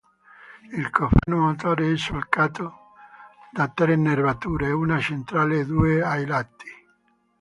Il cofano motore è solcato da tre nervature, una centrale e due ai lati.